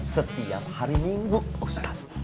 setiap hari minggu ustadz